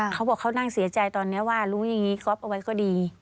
เขาบอกเขานั่งเสียใจตอนนี้ว่ารู้อย่างนี้ก๊อฟเอาไว้ก็ดี